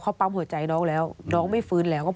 เขาปั๊มหัวใจน้องแล้วน้องไม่ฟื้นแล้ว